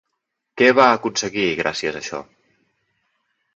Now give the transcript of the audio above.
Què va aconseguir gràcies a això?